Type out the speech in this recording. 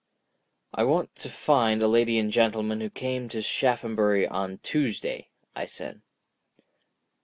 "I want to find a lady and gentleman who came to Shaphambury on Tuesday," I said.